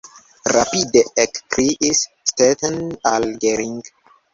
rapide ekkriis Stetten al Gering.